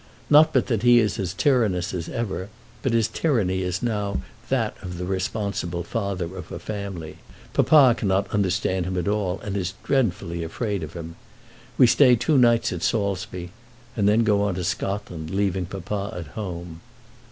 Not but that he is as tyrannous as ever; but his tyranny is now that of the responsible father of a family. Papa cannot understand him at all, and is dreadfully afraid of him. We stay two nights at Saulsby, and then go on to Scotland, leaving papa at home.